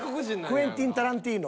クエンティン・タランティーノ。